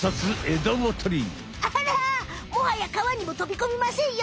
あらもはや川にもとびこみませんよ！